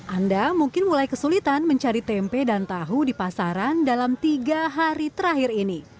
anda mungkin mulai kesulitan mencari tempe dan tahu di pasaran dalam tiga hari terakhir ini